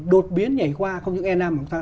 đột biến nhảy qua không những e nam mà chúng ta